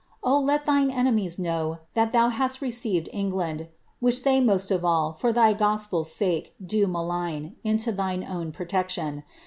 O let Thine enemies know thai Thou hail leceictd Englaim, which they most of all for Thy gospel's ™lie do maligD, into ThiM own protection.